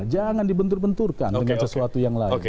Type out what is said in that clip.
jangan dibentur benturkan dengan sesuatu yang lain